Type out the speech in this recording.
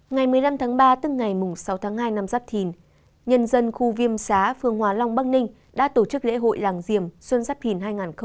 ngày một mươi năm tháng ba tức ngày sáu tháng hai năm giáp thìn nhân dân khu viêm xá phương hòa long bắc ninh đã tổ chức lễ hội làng diềm xuân giáp thìn hai nghìn hai mươi bốn